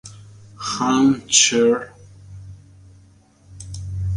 Hans Chr.